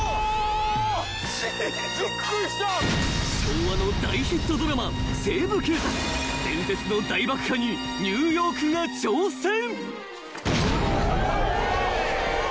［昭和の大ヒットドラマ『西部警察』伝説の大爆破にニューヨークが挑戦］